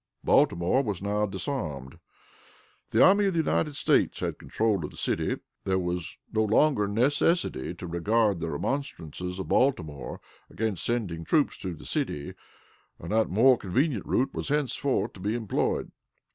Baltimore was now disarmed. The Army of the United States had control of the city. There was no longer necessity to regard the remonstrance of Baltimore against sending troops through the city, and that more convenient route was henceforth to be employed.